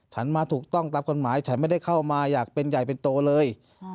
ฉันมาถูกต้องตามกฎหมายฉันไม่ได้เข้ามาอยากเป็นใหญ่เป็นโตเลย